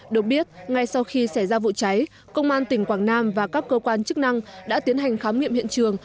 được biết ngay sau khi xảy ra vụ cháy công an tỉnh quảng nam và các cơ quan chức năng đã tiến hành khám nghiệm hiện trường